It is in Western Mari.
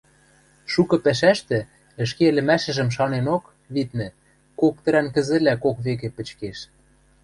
Шукы пӓшӓштӹ, ӹшке ӹлӹмӓшӹжӹм шаненок, виднӹ, кок тӹрӓн кӹзӹлӓ кок векӹ пӹчкеш.